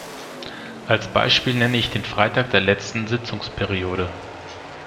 Als Beispiel nenne ich den Freitag der letzten Sitzungsperiode.